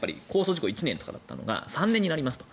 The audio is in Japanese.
時効１年とかだったのが３年になりますと。